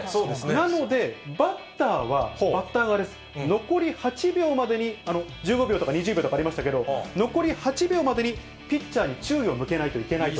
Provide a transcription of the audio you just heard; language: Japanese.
なので、バッターは、バッター側です、残り８秒までに１５秒とか２０秒とかありましたけれども、残り８秒までにピッチャーに注意を向けないといけないと。